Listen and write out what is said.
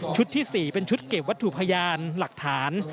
ที่๔เป็นชุดเก็บวัตถุพยานหลักฐาน